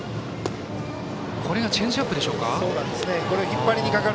チェンジアップでしょうか。